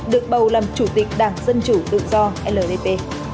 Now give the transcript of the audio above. được bầu làm chủ tịch đảng dân chủ tự do ldp